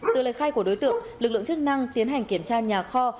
từ lời khai của đối tượng lực lượng chức năng tiến hành kiểm tra nhà kho